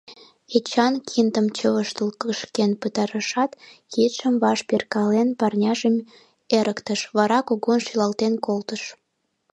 Эчан киндым чывыштыл кышкен пытарышат, кидшым ваш перкален, парняжым эрыктыш, вара кугун шӱлалтен колтыш.